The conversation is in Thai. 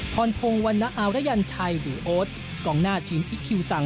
ทนพงษ์วรรณรยรชัยหรือโอ๊ตกล่องหน้าทีมอิคคิวซัง